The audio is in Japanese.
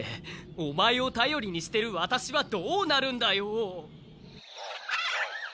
オマエをたよりにしてるワタシはどうなるんだよ。